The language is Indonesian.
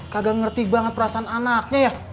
kagak ngerti banget perasaan anaknya ya